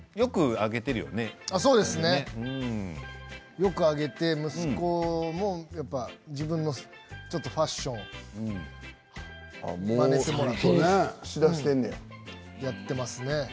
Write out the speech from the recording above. よく上げて息子も自分のファッションまねてもらってやっていますね。